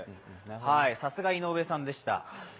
さすが、井上さんでした。